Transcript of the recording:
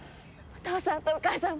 お父さんお母さん！